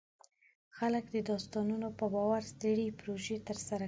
خلک د داستانونو په باور سترې پروژې ترسره کوي.